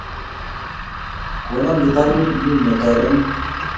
Konon kitaput ng'ung' atoben kiy